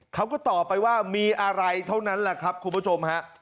เขาก็ตอบไปว่ามีอะไรเท่านั้นแหละครับคุณผู้ชมฮะ